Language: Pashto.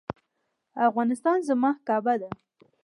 افغانستان زما کعبه ده